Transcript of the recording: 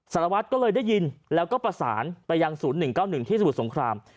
สารวัตรก็เลยได้ยินแล้วก็ประสานไปยังศูนย์หนึ่งเก้าหนึ่งที่สมุทรสงคราม